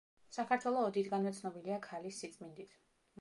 საქართველო ოდითგანვე ცნობილია ქალის სიწმინდით.